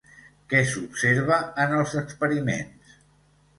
Què s'observa en els experiments?